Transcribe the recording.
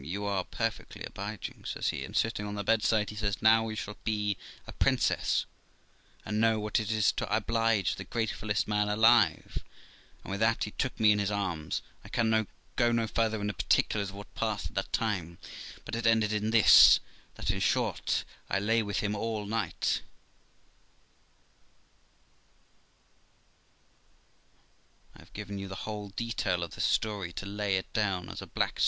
'You are perfectly obliging', says he; and, sitting on the bedside, says he, 'Now you shall be a prin cess, and know what it is to oblige the gratefullest man alive'; and with that he took me in his arms. ... I can go no farther in the particulars of what passed at that time, but it ended in this, that, in short, I lay with him all night I have given you the whole detail of this story to lay it down as a black THE LIFE OF ROXANA 23!